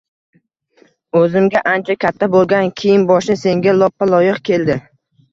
O‘zimga ancha katta bo‘lgan kiyim-boshni «senga loppa-loyiq keldi»